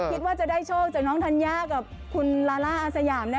คิดว่าจะได้โชคจากน้องธัญญากับคุณลาล่าอาสยามแน่